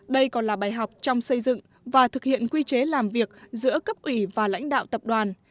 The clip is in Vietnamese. đây còn là bài học trong xây dựng và thực hiện quy chế làm việc giữa cấp ủy và lãnh đạo tập đoàn